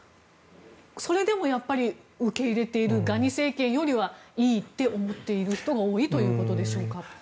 それでも受け入れているガニ政権よりはいいって思っている人が多いということでしょうか。